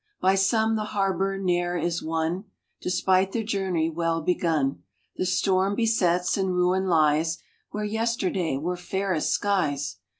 By some the harbor ne er is won, Despite the journey well begun; The storm besets, and ruin lies Where yesterday were fairest skies.